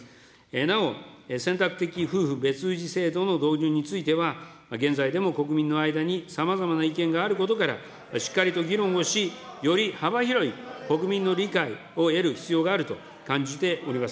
なお、選択的夫婦別氏制度の導入については、現在でも国民の間にさまざまな意見があることから、しっかりと議論をし、より幅広い国民の理解を得る必要があると感じております。